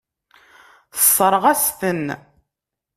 Tessṛeɣ-as-ten.